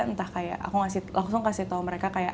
entah kayak aku langsung kasih tau mereka kayak